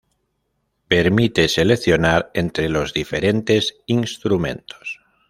Permite seleccionar entre los diferentes instrumentos.